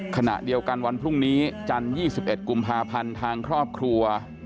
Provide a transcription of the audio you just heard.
ขณะเดียวกันวันพรุ่งนี้จันทร์๒๑กุมภาพันธ์ทางครอบครัว